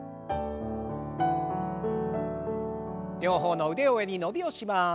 両方の腕を上に伸びをします。